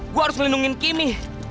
gua harus ngelindungin kimi